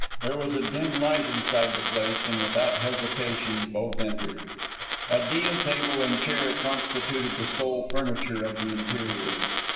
There was a dim light inside the place, and without hesitation both entered. A deal table and chair constituted the sole furniture of the interior.